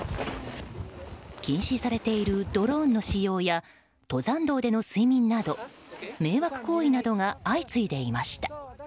禁止されているドローンの使用や登山道での睡眠など迷惑行為などが相次いでいました。